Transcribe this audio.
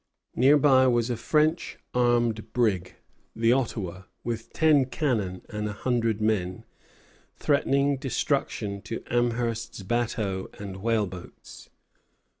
Near by was a French armed brig, the "Ottawa," with ten cannon and a hundred men, threatening destruction to Amherst's bateaux and whaleboats.